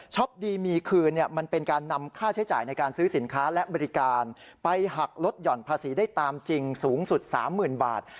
ดีมีคืนมันเป็นการนำค่าใช้จ่ายในการซื้อสินค้าและบริการไปหักลดหย่อนภาษีได้ตามจริงสูงสุด๓๐๐๐บาท